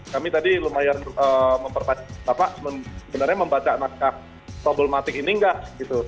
kami tadi lumayan memperbaiki bapak sebenarnya membaca naskah problematic ini enggak gitu